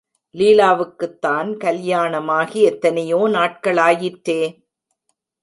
லீலாவுக்குத்தான் கல்யாணமாகி எத்தனையோ நாட்களாயிற்றே.